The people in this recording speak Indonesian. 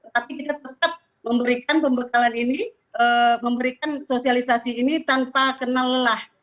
tapi kita tetap memberikan pembekalan ini memberikan sosialisasi ini tanpa kenal lelah